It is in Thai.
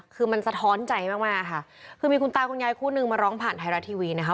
คือมันสะท้อนใจมากมากค่ะคือมีคุณตาคุณยายคู่นึงมาร้องผ่านไทยรัฐทีวีนะคะ